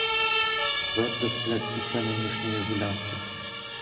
Твердо сплять після нинішньої гулянки.